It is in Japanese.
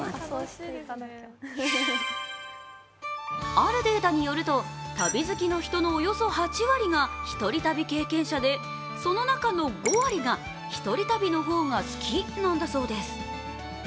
あるデータによると、旅好きの人のおよそ８割が１人旅経験者でその中の５割が１人旅の方が好きなんだそうです